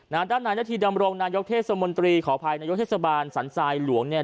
ด้านหลานกระทีดำเรานายกเทศมรตรีขออภัยนายกเทศบาลสรรทรายหลวงเนี้ย